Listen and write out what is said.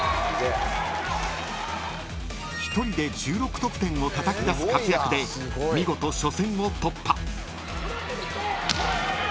［一人で１６得点をたたき出す活躍で見事初戦を突破］